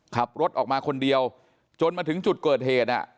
ขับรถออกมาคนเดียวจนมาถึงจุดเกิดเหตุ